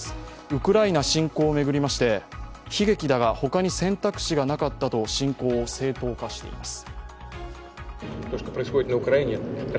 ウクライナ侵攻を巡りまして、悲劇だが他に選択肢がなかったと侵攻を正当化しています。